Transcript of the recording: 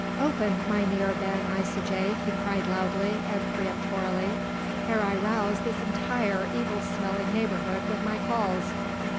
"Open, Mynheer Ben Isaje," he cried loudly and peremptorily, "ere I rouse this entire evil smelling neighbourhood with my calls.